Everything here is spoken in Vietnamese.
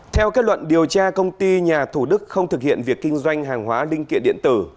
theo kết luận điều tra công ty nhà thủ đức không thực hiện việc kinh doanh hàng hóa linh kiện điện tử